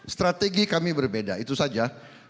strategi kami berbeda itu saja